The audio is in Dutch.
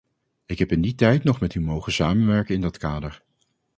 Ik heb in die tijd nog met u mogen samenwerken in dat kader.